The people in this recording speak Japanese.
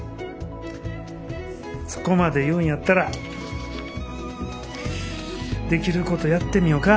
そこまで言うんやったらできることやってみよか。